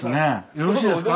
よろしいですか？